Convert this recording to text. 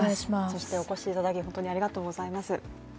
そしてお越しいただき、本当にありがとうございます。